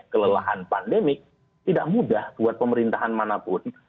kelelahan pandemi tidak mudah buat pemerintahan manapun